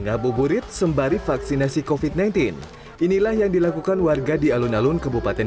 ngabuburit sembari vaksinasi kofit sembilan belas inilah yang dilakukan warga di alun alun kebupaten